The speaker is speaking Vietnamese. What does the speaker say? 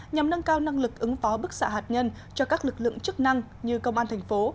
nhằm nâng cao năng lực ứng phó bức xạ hạt nhân cho các lực lượng chức năng như công an thành phố